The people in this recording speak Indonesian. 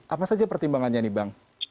apa saja pertimbangannya nih bang